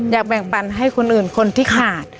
อยากแบ่งปันให้คนอื่นคนที่ขาด